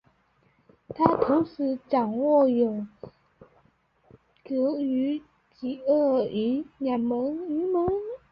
他同时掌握有德语及俄语两门语言。